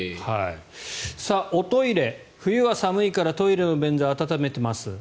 おトイレ、冬は寒いからトイレの便座を温めています。